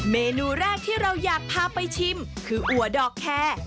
เมนูแรกที่เราอยากพาไปชิมคืออัวดอกแคร์